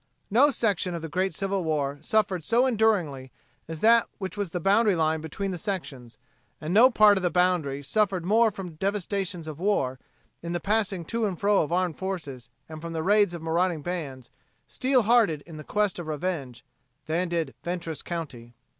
No section of the great Civil War suffered so enduringly as that which was the boundary line between the sections, and no part of the boundary suffered more from devastations of war in the passing to and fro of armed forces and from the raids of marauding bands, steel heartened in quest of revenge, than did Fentress county.